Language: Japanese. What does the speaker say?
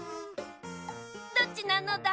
どっちなのだ？